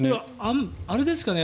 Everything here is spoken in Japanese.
あれですかね？